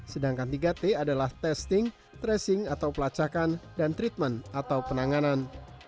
sedangkan tiga t adalah testing tracing atau pelacakan dan treatment atau penanganan